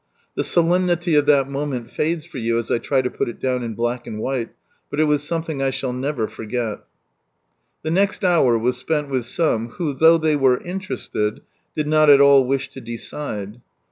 The solemnity of that moment fades for you as I try to put it down in black and white, but it was something I shall never forget. The next hour was spent with some who, though they were interested, did not at all wish to decide.